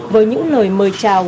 với những lời mời chào